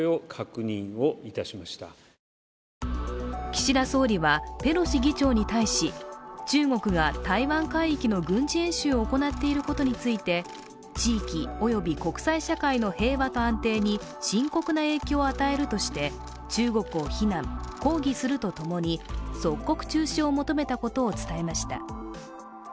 岸田総理はペロシ議長に対し、中国が台湾海域の軍事演習を行っていることについて地域および国際社会の平和と安定に深刻な影響を与えるとして中国を非難、抗議するとともに即刻中止を求めたことを伝えました。